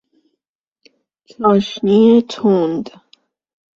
چاشنی تند